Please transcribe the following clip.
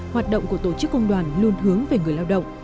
hoạt động của tổ chức công đoàn luôn hướng về người lao động